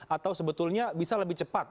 atau sebetulnya bisa lebih cepat